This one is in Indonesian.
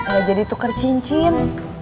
gak jadi tuker cincin